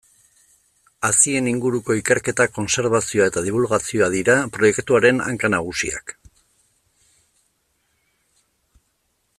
Hazien inguruko ikerketa, kontserbazioa eta dibulgazioa dira proiektuaren hanka nagusiak.